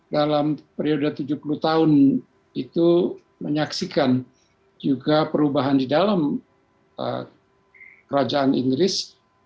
dalam periode tujuh puluh tahun itu menyaksikan juga perubahan di dalam kerajaan inggris